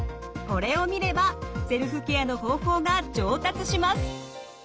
これを見ればセルフケアの方法が上達します。